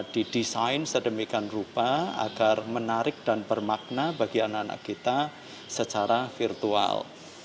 didesain sedemikian rupa agar menarik dan bermakna bagi anak anak kita secara virtual